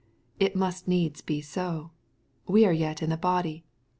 It must needs be so. We are yet in the body.